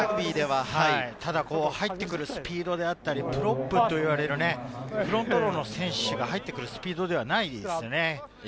ラグビーで入ってくるスピードだったり、プロップといわれるフロントローの選手が入ってくるスピードではないですよね。